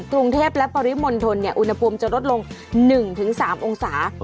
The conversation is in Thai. กรุงเทพและปริมณฑลอุณหภูมิจะลดลง๑๓องศา